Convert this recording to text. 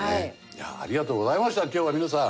いやありがとうございました今日は皆さん。